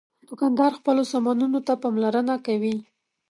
دوکاندار خپلو سامانونو ته پاملرنه کوي.